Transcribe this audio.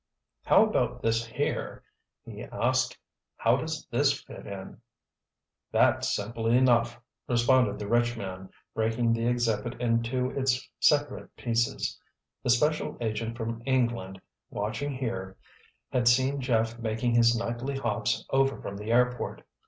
"How about this here?" he asked. "How does this fit in?" "That's simple enough," responded the rich man, breaking the exhibit into its separate pieces. "The special agent from England, watching here, had seen Jeff making his nightly hops over from the airport.